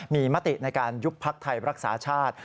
มีมติในการยุบพักไทยรักษาชาติ